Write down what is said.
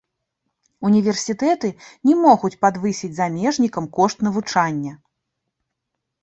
Універсітэты не могуць падвысіць замежнікам кошт навучання.